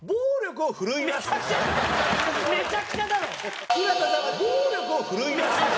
めちゃくちゃだろ！